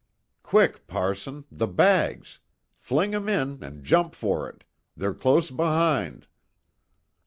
"Quick, parson! The bags! fling 'em in, and jump for it! They're close behind!"